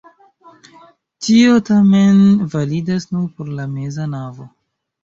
Tio tamen validas nur por la meza navo.